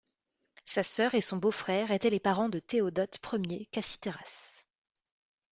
Sa sœur et son beau-frère étaient les parents de Théodote Ier Cassitéras.